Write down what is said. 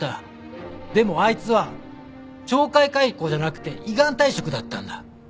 でもあいつは懲戒解雇じゃなくて依願退職だったんだ。